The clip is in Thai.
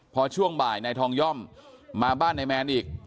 พอช่วงบ่ายนายทองย่อมมาบ้านนายแมนอีก